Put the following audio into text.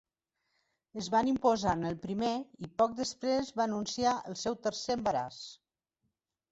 Es van imposar en el primer i poc després va anunciar el seu tercer embaràs.